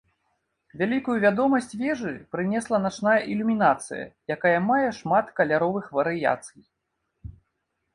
Вялікую вядомасць вежы прынесла начная ілюмінацыя, якая мае шмат каляровых варыяцый.